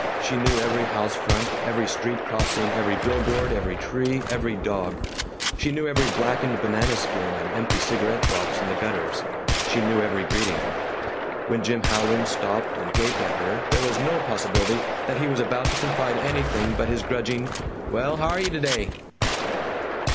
She knew every house front, every street crossing, every billboard, every tree, every dog. She knew every blackened banana skin and empty cigarette box in the gutters. She knew every greeting. When Jim Howland stopped and gaped at her there was no possibility that he was about to confide anything but his grudging, "Well, haryuh t'day?"